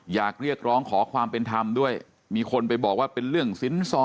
อยากเรียกร้องขอความเป็นธรรมด้วยมีคนไปบอกว่าเป็นเรื่องสินสอ